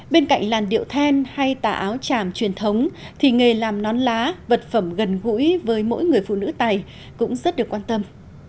bên cạnh làn điệu then hay tà áo tràm truyền thống thì nghề làm nón lá vật phẩm gần gũi với mỗi người phụ nữ tây cũng rất được quan tâm